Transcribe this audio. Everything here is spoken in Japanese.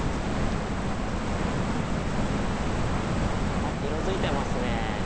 おっ色づいてますね。